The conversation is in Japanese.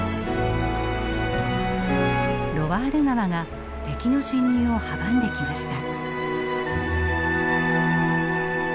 ロワール川が敵の侵入を阻んできました。